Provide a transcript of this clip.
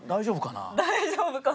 大丈夫かな？